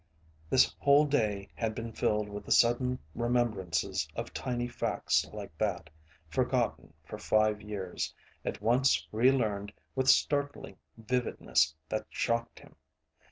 This whole day had been filled with the sudden remembrances of tiny facts like that, forgotten for five years, at once relearned with startling vividness that shocked him.